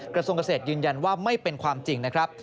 กระทรวงเกษตรยืนยันว่าไม่เป็นความจริงนะครับ